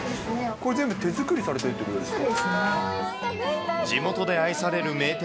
これ全部手作りされているということですか。